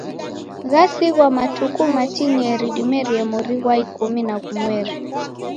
Ghasighwa matuku matineri dimerie mori ghwa ikumi na ghumweri.